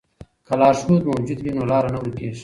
که لارښود موجود وي نو لاره نه ورکېږي.